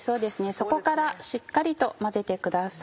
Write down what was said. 底からしっかりと混ぜてください。